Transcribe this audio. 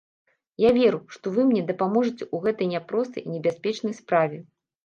Я веру, што вы мне дапаможаце ў гэтай няпростай і небяспечнай справе.